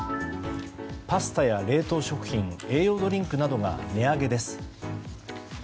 パスタや冷凍食品栄養ドリンクなどが値上げです。